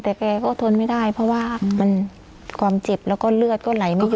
แต่แกก็ทนไม่ได้เพราะว่ามันความเจ็บแล้วก็เลือดก็ไหลไม่ขึ้น